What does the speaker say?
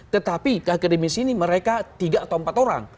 tetapi akademisi ini mereka tiga atau empat orang